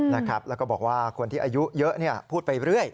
แล้วก็บอกว่าคนที่อายุเยอะพูดไปเรื่อย